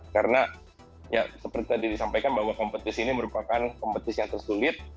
karena seperti tadi disampaikan bahwa kompetisi ini merupakan kompetisi yang tersulit